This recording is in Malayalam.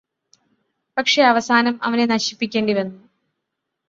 പക്ഷേ അവസാനം അവനെ നശിപ്പിക്കേണ്ടിവന്നു